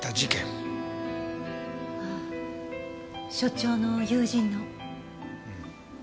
ああ所長の友人の。